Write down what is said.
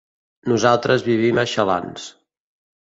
Nosaltres vivim a Xalans.